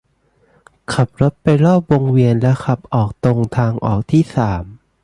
ขับไปรอบวงเวียน และขับออกตรงทางออกที่สาม